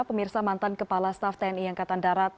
pemirsa mantan kepala staff tni angkatan darat